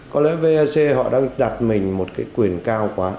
có lẽ vec họ đang đặt mình một cái quyền cao quá